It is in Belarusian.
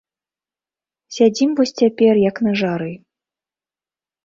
Сядзім вось цяпер, як на жары.